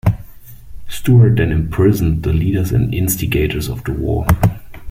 Stewart then imprisoned the leaders and instigators of the war.